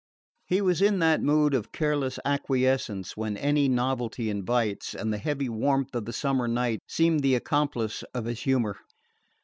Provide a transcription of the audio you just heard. He was in that mood of careless acquiescence when any novelty invites, and the heavy warmth of the summer night seemed the accomplice of his humour.